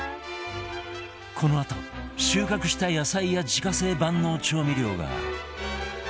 このあと収穫した野菜や自家製万能調味料が